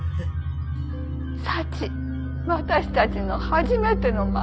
「サチ私たちの初めての孫」。